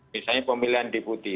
misalnya pemilihan diputi